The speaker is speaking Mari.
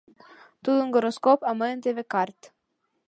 Тудын гороскоп, а мыйын, теве, карт.